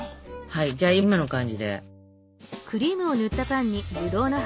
はいじゃあ今の感じで。